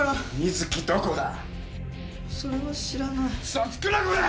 嘘つくなこらっ！